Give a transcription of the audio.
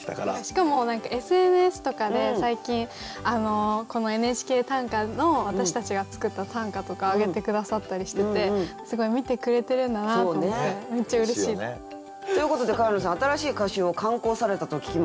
しかも何かＳＮＳとかで最近この「ＮＨＫ短歌」の私たちが作った短歌とかあげて下さったりしててすごい見てくれてるんだなと思ってめっちゃうれしい。ということで川野さん新しい歌集を刊行されたと聞きましたけれども。